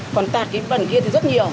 còn tạt cái vần kia thì rất nhiều